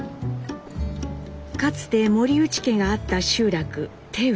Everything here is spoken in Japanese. かつて森内家があった集落手打。